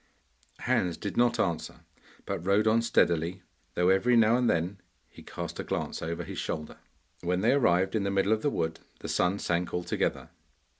Hans did not answer, but rode on steadily, though every now and then he cast a glance over his shoulder. When they arrived in the middle of the wood the sun sank altogether.